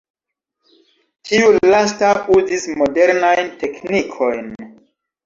Tiu lasta uzis modernajn teknikojn.